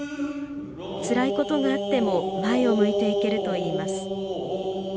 つらいことがあっても前を向いていけるといいます。